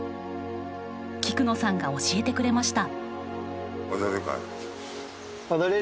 菊野さんが教えてくれました。